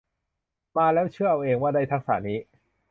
มาแล้วเชื่อเอาเองว่าได้ทักษะนี้